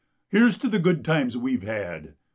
'* Here's to the good times we've had !